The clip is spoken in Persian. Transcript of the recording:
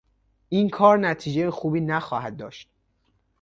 این کار نتیجه خوبی نخواهد داشت